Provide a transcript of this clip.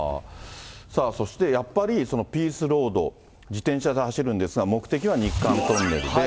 そしてやっぱりそのピースロード、自転車で走るんですが、目的は日韓トンネルで。